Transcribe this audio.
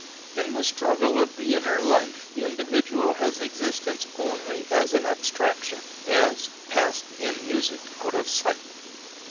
In the struggle of the inner life the individual had existence only as an abstraction, as "passed in music out of sight."